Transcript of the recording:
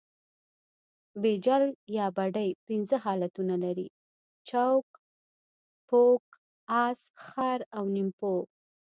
بیجل یا بډۍ پنځه حالتونه لري؛ چوک، پوک، اس، خر او نیمپو.